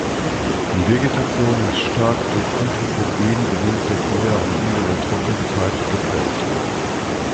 Die Vegetation ist stark durch anthropogen bedingte Feuer am Ende der Trockenzeit geprägt.